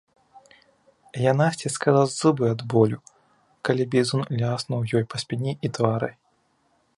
Яна сціскала зубы ад болю, калі бізун ляснуў ёй па спіне і твары.